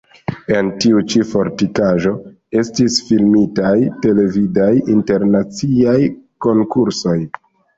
En tiu ĉi fortikaĵo estis filmitaj televidaj internaciaj konkursoj.